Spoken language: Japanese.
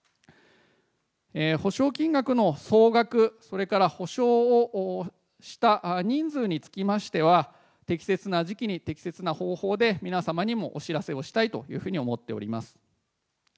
補償金額の総額、それから補償をした人数につきましては、適切な時期に適切な方法で皆様にもお知らせをしたいというふうに思っております。